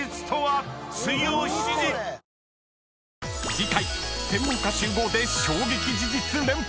［次回専門家集合で衝撃事実連発！］